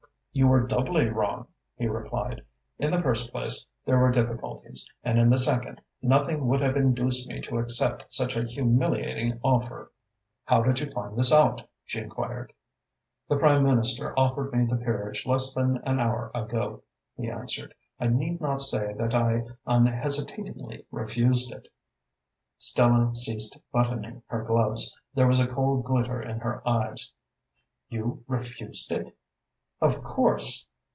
"You were doubly wrong," he replied. "In the first place, there were difficulties, and in the second, nothing would have induced me to accept such a humiliating offer." "How did you find this out?" she enquired. "The Prime Minister offered me the peerage less than an hour ago," he answered. "I need not say that I unhesitatingly refused it." Stella ceased buttoning her gloves. There was a cold glitter in her eyes. "You refused it?" "Of course!"